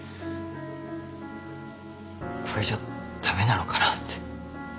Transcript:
これじゃ駄目なのかなって。